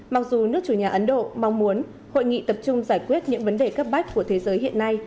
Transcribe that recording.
mặc dù nước chủ nhà ấn độ mong muốn hội nghị tập trung giải quyết những vấn đề cấp bách của thế giới hiện nay